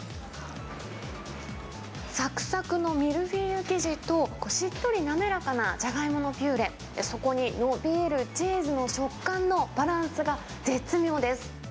さくさくのミルフィーユ生地と、しっとり滑らかなジャガイモのピューレ、そこにのびーるチーズの食感のバランスが絶妙です。